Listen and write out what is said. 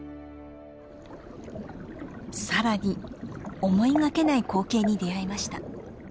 さらに思いがけない光景に出会いました。